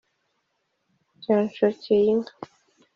by Nshokeyinka